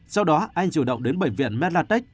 sau đó anh chủ động đến bệnh viện medlatech